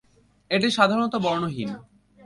এটি সাধারণত বর্ণহীন।